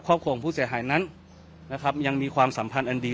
ครอบครัวของผู้เสียหายนั้นนะครับยังมีความสัมพันธ์อันดี